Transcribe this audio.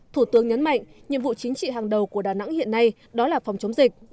thủ tướng nhấn mạnh nhiệm vụ chính trị hàng đầu của đà nẵng hiện nay đó là phòng chống dịch